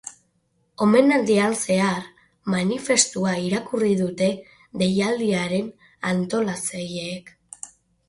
Omenaldian zehar, manifestua irakurri dute deialdiaren antolatzaileek.